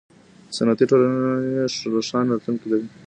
صنعتي ټولنې روښانه راتلونکی لري.